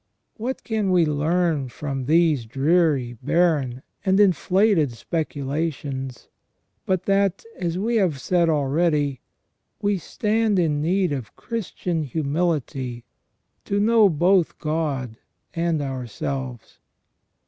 What can we learn from these dreary, barren, and inflated speculations, but that, as we have said already, we stand in need of Christian humility to know both God and ourselves